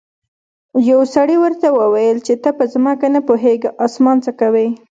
یو سړي ورته وویل چې ته په ځمکه نه پوهیږې اسمان څه کوې.